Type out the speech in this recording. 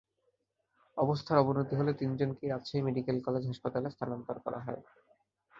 অবস্থার অবনতি হলে তিনজনকেই রাজশাহী মেডিকেল কলেজ হাসপাতালে স্থানান্তর করা হয়।